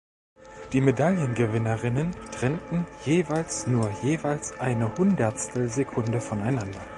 Die Medaillengewinnerinnen trennten jeweils nur jeweils eine Hundertstelsekunde voneinander.